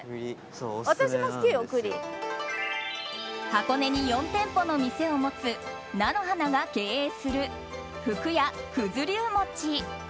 箱根に４店舗の店を持つ菜の花が経営する福久や九頭龍餅。